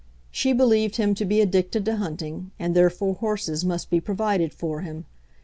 She believed him to be addicted to hunting, and therefore horses must be provided for him.